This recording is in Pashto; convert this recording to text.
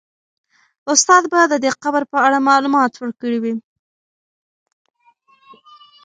استاد به د دې قبر په اړه معلومات ورکړي وي.